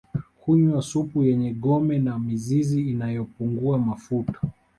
Hunywa supu yenye gome na mizizi inayopungua mafuta